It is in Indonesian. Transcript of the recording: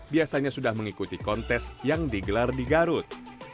biasanya sudah mengikuti kontes yang digelar di garut